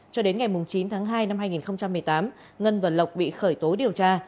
cho đến ngày chín tháng hai năm hai nghìn một mươi tám ngân và lộc bị khởi tố điều tra